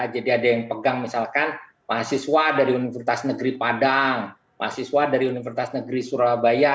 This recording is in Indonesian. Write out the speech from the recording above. jadi ada yang pegang misalkan mahasiswa dari universitas negeri padang mahasiswa dari universitas negeri surabaya